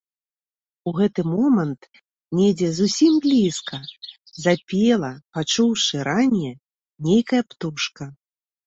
У гэты момант недзе зусім блізка запела, пачуўшы ранне, нейкая птушка.